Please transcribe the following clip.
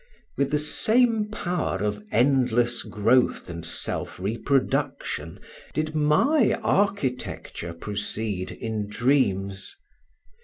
With the same power of endless growth and self reproduction did my architecture proceed in dreams.